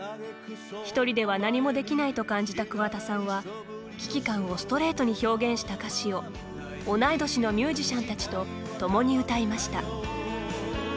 一人では何もできないと感じた桑田さんは危機感をストレートに表現した歌詞を同い年のミュージシャンたちと共に歌いました。